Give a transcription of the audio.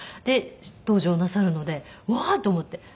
で登場なさるのでうわーと思って。